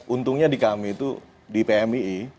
untungnya di kami itu di pmii